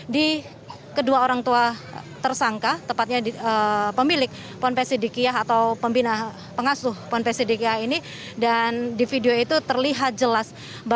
di kedua orang tua tersangka tepatnya pemilik ponpes sidikiah atau pembina pengasuh ponpes sidikiah ini dan di video itu terlihat jelas